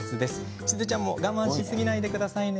しずちゃんも我慢しすぎないでくださいね。